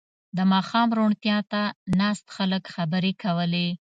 • د ماښام روڼتیا ته ناست خلک خبرې کولې.